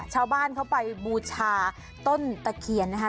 ชาวบ้านเขาไปบูชาต้นตะเคียนนะคะ